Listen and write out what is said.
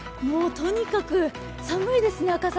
とにかく寒いですね、赤坂。